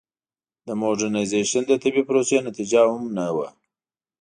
د موډرنیزېشن د طبیعي پروسې نتیجه هم نه وه.